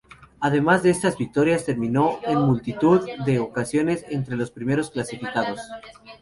Además de estas victorias, terminó en multitud de ocasiones entre los primeros clasificados.